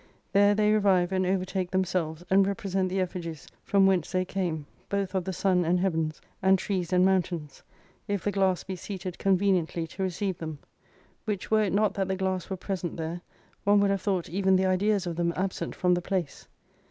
There they revive and overtake them selves, and represent the effigies from whence they came ; both of the sun and heavens, and trees and mountains, if the glass be seated conveniently to receive them. Which were it not that the glass were present there, one would have thought even the ideas of them absent from the place.